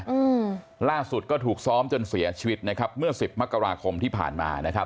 อืมล่าสุดก็ถูกซ้อมจนเสียชีวิตนะครับเมื่อสิบมกราคมที่ผ่านมานะครับ